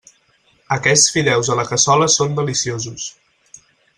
Aquests fideus a la cassola són deliciosos.